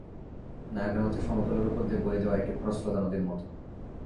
Niagara হচ্ছে সমতলের ওপর দিয়ে বয়ে যাওয়া একটি খরস্রোতা নদীর মতো।